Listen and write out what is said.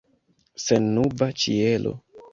Sennuba ĉielo.